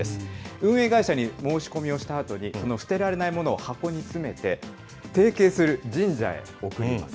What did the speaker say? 運営会社に申し込みをしたあとに、この捨てられない物を箱に詰めて、提携する神社へ送ります。